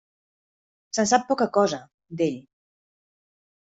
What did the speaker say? Se'n sap poca cosa, d'ell.